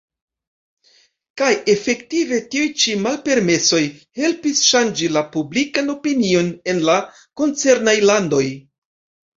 Kaj efektive tiuj ĉi malpermesoj helpis ŝanĝi la publikan opinion en la koncernaj landoj.